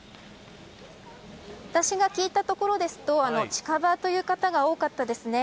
私が聞いたところですと近場という方が多かったですね。